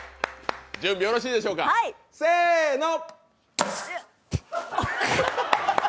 準備よろしいでしょうか、せーの！